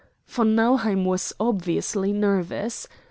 Von Nauheim was obviously nervous.